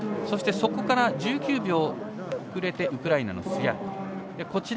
そして、そこから１９秒遅れてウクライナのスヤルコ。